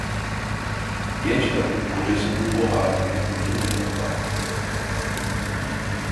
Genç kadın, kocasının bu haline uzun uzun baktı.